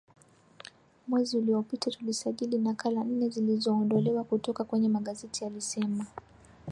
Mwezi uliopita tulisajili nakala nne zilizoondolewa kutoka kwenye magazeti alisema